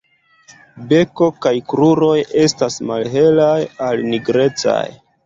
Beko kaj kruroj estas malhelaj al nigrecaj.